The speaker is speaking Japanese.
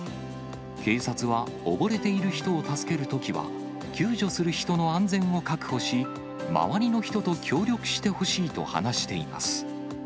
警察は溺れている人を助けるときは、救助する人の安全を確保し、周りの人と協力してほしいと話しています。